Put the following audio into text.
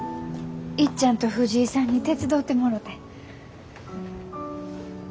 いっちゃんと藤井さんに手伝うてもろて。